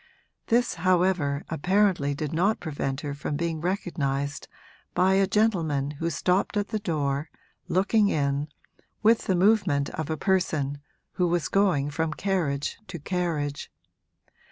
This, however, apparently did not prevent her from being recognised by a gentleman who stopped at the door, looking in, with the movement of a person who was going from carriage to carriage.